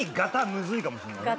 ムズいかもしれないね。